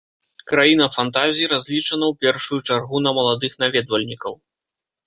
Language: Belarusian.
Краіна фантазій разлічана ў першую чаргу на маладых наведвальнікаў.